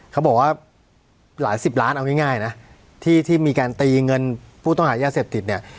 เขาบอกว่าหลายสิบล้านเอาง่ายนะที่มีการตีเงินผู้ต้องหายาเสพติดเนี่ย